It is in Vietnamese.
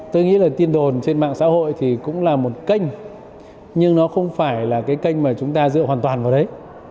tôi nghĩ là tin đồn trên mạng xã hội thì cũng là một kênh nhưng nó không phải là cái kênh mà chúng ta dựa hoàn toàn vào đấy